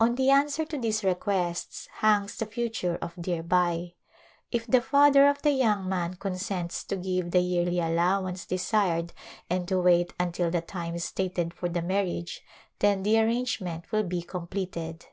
On the answer to these requests hangs the future of dear Bai. If the father of the young man consents to give the yearly allowance de sired and to wait until the time stated for the mar riage then the arrangement will be completed.